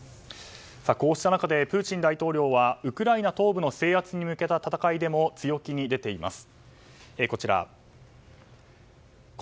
こうした中でプーチン大統領はウクライナ東部の制圧に向けた戦いでも強気に出ています。